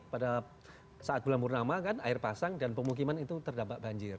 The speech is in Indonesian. pada saat bulan purnama kan air pasang dan pemukiman itu terdampak banjir